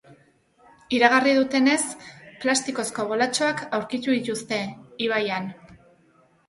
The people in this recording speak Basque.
Iragarri dutenez, plastikozko bolatxoak aurkitu dituzte ibaian.